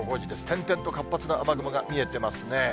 点々と活発な雨雲が見えてますね。